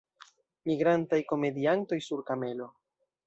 Migrantaj komediantoj sur kamelo.